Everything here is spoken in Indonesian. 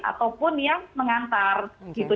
ataupun yang mengantar gitu